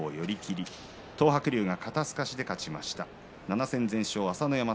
６勝１敗東白龍は肩すかしで勝ちました。